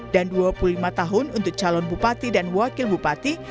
dan dua puluh lima tahun untuk calon bupati dan wakil bupati